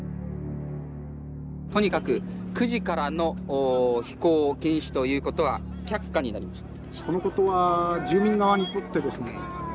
とにかく９時からの飛行禁止ということは却下になりました。